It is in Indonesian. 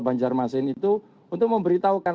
banjarmasin itu untuk memberitahukan